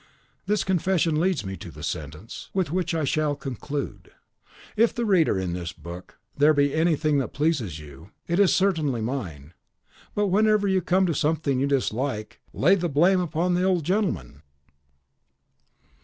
This confession leads me to the sentence with which I shall conclude: If, reader, in this book there be anything that pleases you, it is certainly mine; but whenever you come to something you dislike, lay the blame upon the old gentleman!